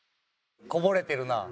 こぼれてるな。